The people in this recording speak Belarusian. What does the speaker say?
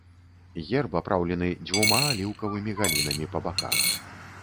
Герб апраўлены дзвюма аліўкавымі галінамі па баках.